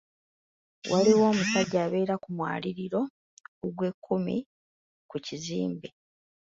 Waliwo omusajja abeera ku mwaliiro ogwekkumi ku kizimbe.